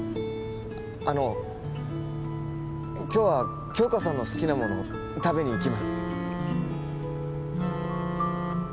あの今日は杏花さんの好きなものを食べに行きま